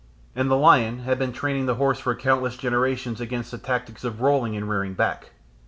And the lion had been training the horse for countless generations against the tactics of rolling and rearing back.